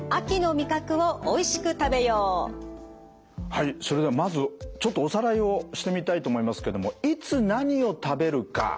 はいそれではまずちょっとおさらいをしてみたいと思いますけどもいつ何を食べるか。